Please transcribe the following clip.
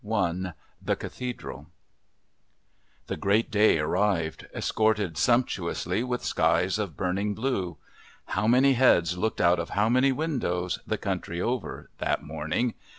The Cathedral The Great Day arrived, escorted sumptuously with skies of burning blue. How many heads looked out of how many windows, the country over, that morning!